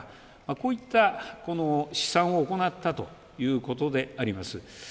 こういった試算を行ったということであります。